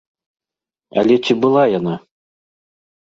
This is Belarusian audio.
Але ці была яна?